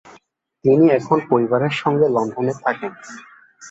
তিনি এখন পরিবারের সঙ্গে লন্ডনে থাকেন।